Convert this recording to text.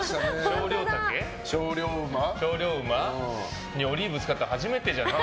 精霊馬にオリーブ使ったの初めてじゃない？